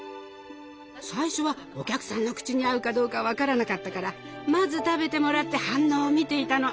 最初はお客さんの口に合うかどうか分からなかったからまず食べてもらって反応を見ていたの。